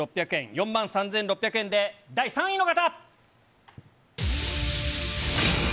４万３６００円で、第３位の方。